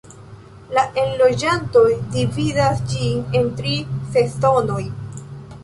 La enloĝantoj dividas ĝin en tri sezonoj.